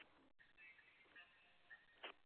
Jumamosi jioni maandamano ya hapa na pale yalizuka